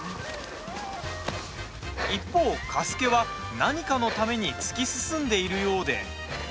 一方、加助は何かのために突き進んでいるようで。